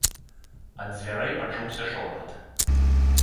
Ад дзвярэй пачуўся шоргат.